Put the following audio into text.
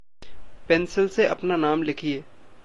Pencil से अपना नाम लिखिए।